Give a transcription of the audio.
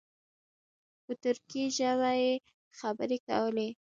په ترکي ژبه یې خبرې کولې.